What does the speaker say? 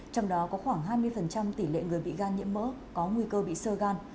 trong đó có khoảng hai mươi tỷ lệ người bị gan nhiễm mỡ có nguy cơ bị sơ gan